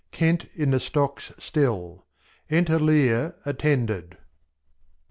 Kent in the Stocks still ; Enter Lear attended.